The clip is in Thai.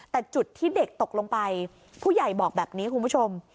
แต่จุดที่เด็กตกลงไปผู้ใหญ่บอกแบบนี้คุณผู้ชม